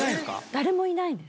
誰もいないです。